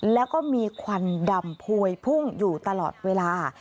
แล้วก็มีควันดำพวยพุ่งอยู่ตลอดเวลา